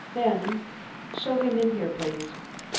Then: "Show him in here, please."